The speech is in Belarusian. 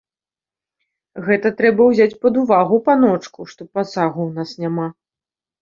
Гэта трэба ўзяць пад увагу, паночку, што пасагу ў нас няма.